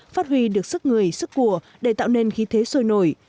phát huy được sức người sức của để tạo nên khí thế sôi nổi